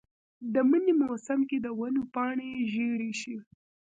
د منې موسم کې د ونو پاڼې ژیړې شي.